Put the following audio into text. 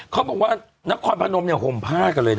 เขาบอกว่านักคอนพระนมเนี่ยห่มพาดกันเลยนะ